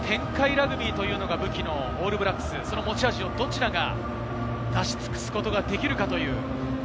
ラグビーが武器のオールブラックス、その持ち味を、どちらが出し尽くすことができるか。